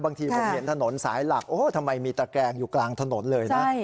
บางทีผมเห็นถนนสายหลักโอ้ทำไมมีตะแกงอยู่กลางถนนเลยนะ